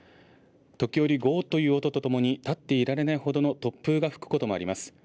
時折、ごーっという音とともに、立っていられないほどの突風が吹くこともあります。